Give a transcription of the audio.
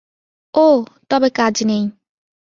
ওঃ, তবে কাজ নেই।